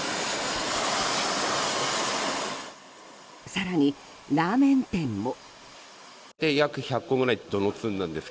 更にラーメン店も。